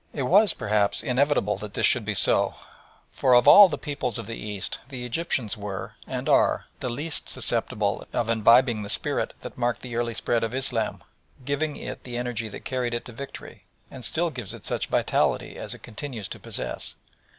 It was, perhaps, inevitable that this should be so, for of all the peoples of the East the Egyptians were, and are, the least susceptible of imbibing the spirit that marked the early spread of Islam, gave it the energy that carried it to victory, and still gives it such vitality as it continues to possess.